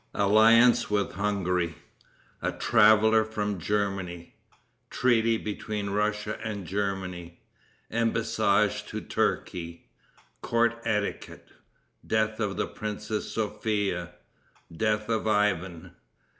Alliance With Hungary. A Traveler From Germany. Treaty Between Russia and Germany. Embassage To Turkey. Court Etiquette. Death of the Princess Sophia. Death of Ivan.